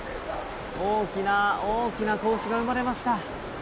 大きな大きな子牛が生まれました。